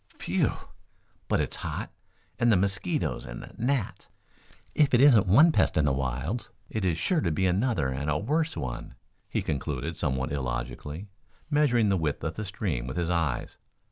"Whew, but it's hot. And the mosquitoes and the gnats! If it isn't one pest in the wilds, it is sure to be another and a worse one," he concluded somewhat illogically, measuring the width of the stream with his eyes.